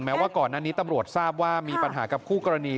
ว่าก่อนหน้านี้ตำรวจทราบว่ามีปัญหากับคู่กรณี